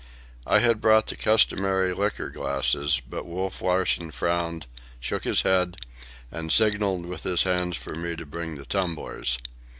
I had brought the customary liquor glasses, but Wolf Larsen frowned, shook his head, and signalled with his hands for me to bring the tumblers.